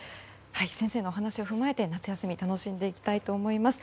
先生のお話を踏まえて夏休み楽しみたいと思います。